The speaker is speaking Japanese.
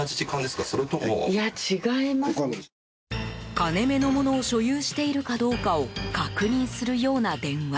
金目の物を所有しているかどうかを確認するような電話。